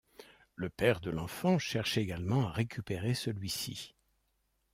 Le père de l'enfant cherche également à récupérer celui-ci.